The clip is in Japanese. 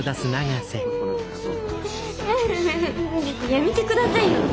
やめてくださいよ！